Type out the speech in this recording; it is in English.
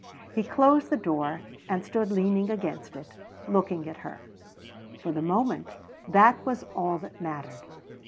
He closed the door and stood leaning against it, looking at her. For the moment that was all that mattered.